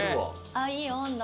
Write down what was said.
あいい温度。